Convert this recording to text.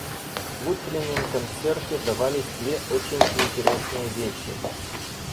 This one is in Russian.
В утреннем концерте давались две очень интересные вещи.